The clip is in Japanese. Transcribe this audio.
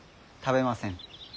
食べません。